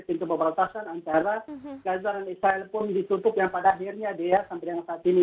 pintu pebatasan antara gaza dan israel pun ditutup yang pada akhirnya dia sampai dengan saat ini